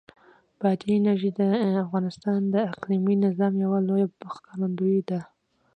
بادي انرژي د افغانستان د اقلیمي نظام یوه لویه ښکارندوی ده.